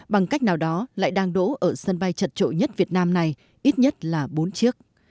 bằng cách nào đó lại đang đổ ở sân bay trật trội nhất việt nam này ít nhất là bốn chiếc